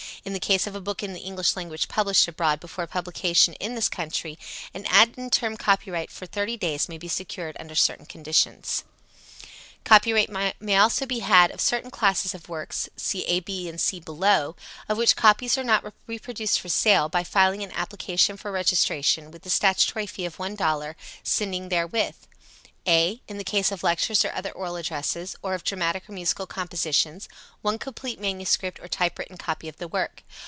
In the case of a book in the English language published abroad before publication in this country, an ad interim copyright for 30 days may be secured under certain conditions. Copyright may also be had of certain classes of works (see a, b, c, below) of which copies are not reproduced for sale, by filing an application for registration, with the statutory fee of $1, sending therewith: (a) in the case of lectures or other oral addresses or of dramatic or musical compositions, one complete manuscript or typewritten copy of the work.